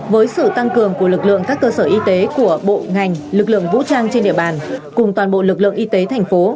với sự tăng cường của lực lượng các cơ sở y tế của bộ ngành lực lượng vũ trang trên địa bàn cùng toàn bộ lực lượng y tế thành phố